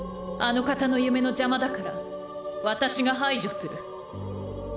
あの方の夢の邪魔だから私が排除する。